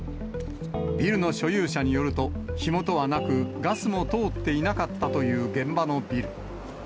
ビルの所有者によると、火元はなく、ガスも通っていなかったという現場のビル。